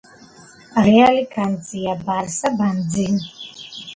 რეალი განძი ბარსა ბანძი